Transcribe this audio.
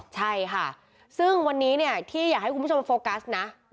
ใช่ค่ะซึ่งวันนี้เนี่ยที่อยากให้คุณผู้ชมโฟกัสนะ